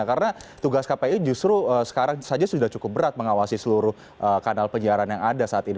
karena tugas kpi justru sekarang saja sudah cukup berat mengawasi seluruh kanal penyiaran yang ada saat ini